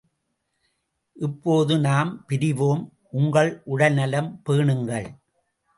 இப்போது நாம் பிரிவோம், உங்கள் உடல் நலம் பேணுங்கள்.